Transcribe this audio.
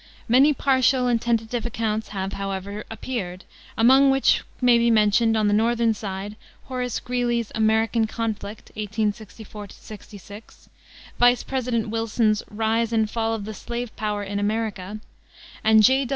Many partial and tentative accounts have, however, appeared, among which may be mentioned, on the northern side, Horace Greeley's American Conflict, 1864 66; Vice president Wilson's Rise and Fall of the Slave Power in America, and J.